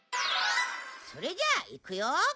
それじゃあいくよ。